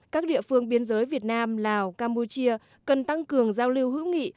các địa phương biên giới việt nam lào campuchia cần tăng cường giao lưu hữu nghị